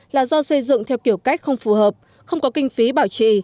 là do xây dựng theo kiểu cách không phù hợp không có kinh phí bảo trì